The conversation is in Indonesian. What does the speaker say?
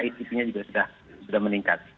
isinya juga sudah meningkat